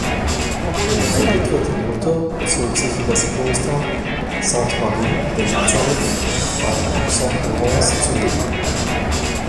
Die verwitwete Mutter zog sich in das Kloster Sainte-Marie de Nazareth bei Aix-en-Provence zurück.